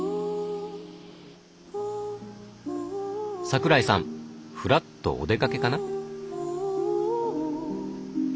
桜井さんフラッとお出かけかな？